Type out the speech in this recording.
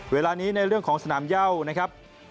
เวลานี้ในเรื่องของสนามเย่านะครับ